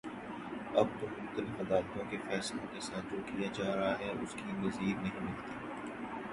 اب تو مختلف عدالتوں کے فیصلوں کے ساتھ جو کیا جا رہا ہے اس کی نظیر نہیں ملتی